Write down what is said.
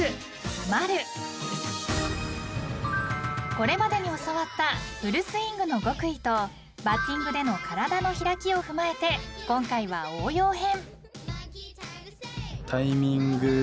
［これまでに教わったフルスイングの極意とバッティングでの体の開きを踏まえて今回は応用編］